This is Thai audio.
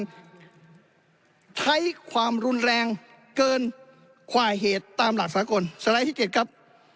ใช้ความรุนแรงเกินคว่าเหตุตามหลักษกรณ์สลายที่เจ็ดครับ